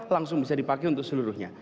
langsung bisa dipakai untuk seluruhnya